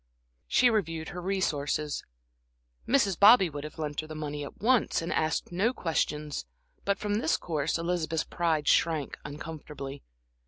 She reviewed her resources. Mrs. Bobby would have lent her the money at once and asked no questions; but from this course Elizabeth's pride shrank uncontrollably.